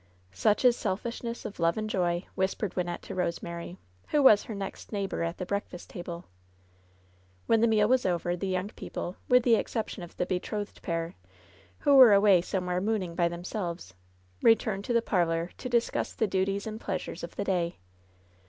"Such is selfishness of love and joy," whispered Wyn nette to Rosemary, who was her next neighbor at the breakfast table. When the meal was over, the young people — ^with the exception of the betrot^^ed pair, who were away some where mooning by themselves — ^returned to the parlor, to discuss the duties and pleasures of the day.